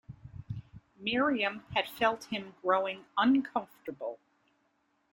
Miriam had felt him growing uncomfortable.